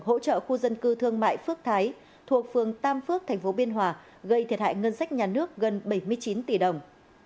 hỗ trợ khu dân cư thương mại phước thái thuộc phường tam phước thành phố biên hòa gây thiệt hại ngân sách nhà nước gần bảy mươi chín tỷ đồng